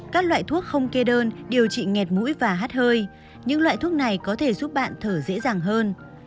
các loại thuốc không kê đơn điều trị nghẹt mũi và hát hơi những loại thuốc này có thể giúp bạn thở dễ dàng hơn